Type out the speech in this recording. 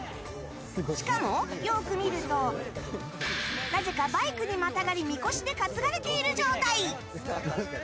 しかも、よく見るとなぜかバイクにまたがり神輿で担がれている状態。